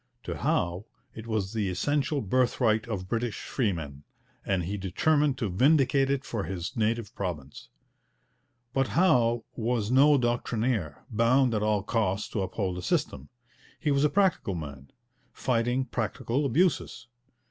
To Howe it was the essential birthright of British freemen, and he determined to vindicate it for his native province. But Howe was no doctrinaire, bound at all costs to uphold a system. He was a practical man, fighting practical abuses.